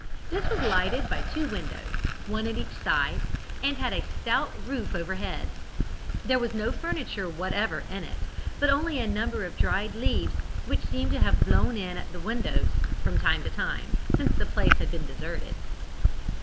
This was lighted by two windows, one at each side, and had a stout roof overhead. There was no furniture whatever in it, but only a number of dried leaves, which seemed to have blown in at the windows from time to time, since the place had been deserted.